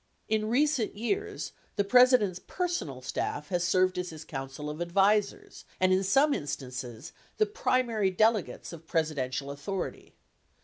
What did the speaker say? In recent years, the President's personal staff has served as his coun cil of advisers, and in some instances, the primary delegates of Pres idential authority.